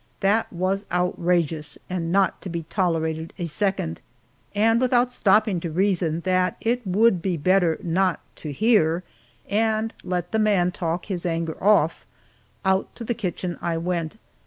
That was outrageous and not to be tolerated a second, and without stopping to reason that it would be better not to hear, and let the man talk his anger off, out to the kitchen I went.